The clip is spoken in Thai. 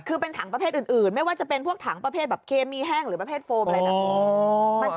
คือเป็นถังประเภทอื่นไม่ว่าจะเป็นพวกถังประเภทแบบเคมีแห้งหรือประเภทโฟมอะไรแบบนี้